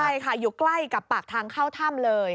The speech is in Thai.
ใช่ค่ะอยู่ใกล้กับปากทางเข้าถ้ำเลย